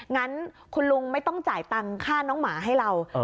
งั้นคุณลุงไม่ต้องจ่ายตังค่าน้องหมาให้เรา